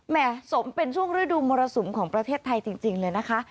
สมเป็นช่วงฤดูมรสุมของประเทศไทยจริงเลยนะคะ